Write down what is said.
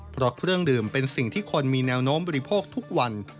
เพราะเครื่องดื่มเป็นสิ่งที่คนมีแนวโน้มบริโภคทุกวัน